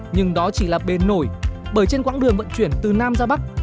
nhưng đó chỉ là bền nổi bởi trên quãng đường vận chuyển từ nam ra bắc